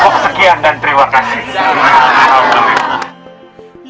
cukup sekian dan terima kasih